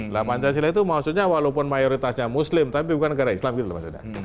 lah pancasila itu maksudnya walaupun mayoritasnya muslim tapi bukan negara islam gitu loh maksudnya